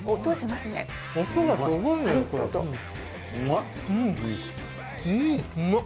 うまっ！